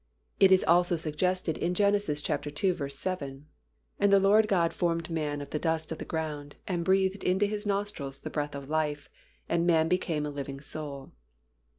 It is also suggested in Gen. ii. 7, "And the LORD God formed man of the dust of the ground, and breathed into his nostrils the breath of life; and man became a living soul."